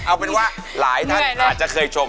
เอาเป็นว่าหลายท่านอาจจะเคยชม